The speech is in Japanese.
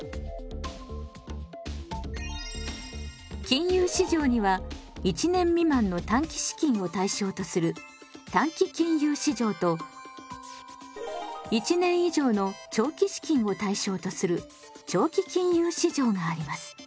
金融市場には１年未満の短期資金を対象とする短期金融市場と１年以上の長期資金を対象とする長期金融市場があります。